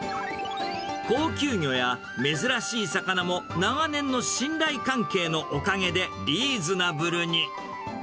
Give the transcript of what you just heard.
高級魚や珍しい魚も長年の信頼関係のおかげでリーズナブルに。